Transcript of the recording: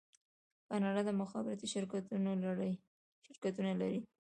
کاناډا د مخابراتو شرکتونه لري.